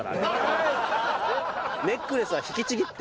ネックレスは引きちぎって。